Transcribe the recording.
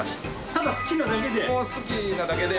ただ好きなだけで？